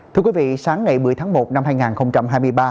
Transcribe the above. thưa quý vị sáng ngày một mươi tháng một năm hai nghìn hai mươi ba